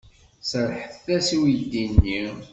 Serrḥet-as i uydi-nni.